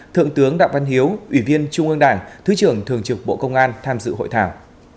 thượng tướng đặng văn hiếu ủy viên trung ương đảng thứ trưởng thường trực bộ công an tham dự hội thảo